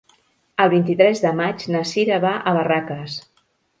El vint-i-tres de maig na Cira va a Barraques.